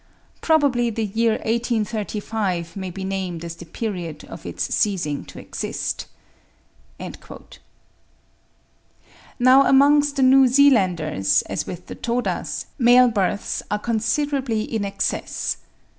Probably the year 1835 may be named as the period of its ceasing to exist." Now amongst the New Zealanders, as with the Todas, male births are considerably in excess.